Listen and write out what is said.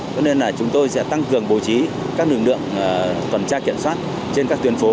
cho nên là chúng tôi sẽ tăng cường bổ trí các lường lượng phần tra kiểm soát trên các tuyến phố